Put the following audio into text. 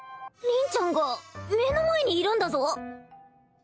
凛ちゃんが目の前にいるんだぞ